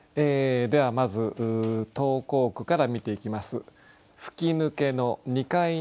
ではまず投稿句から見ていきます。